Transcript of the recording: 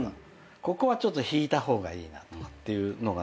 ここはちょっと引いた方がいいなとかっていうのがね